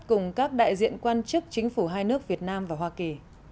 cùng các đại diện quan chức chính phủ hai nước việt nam và hoa kỳ